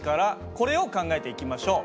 これを考えていきましょう。